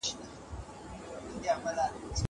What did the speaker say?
زه بايد کتابتون ته ولاړ سم!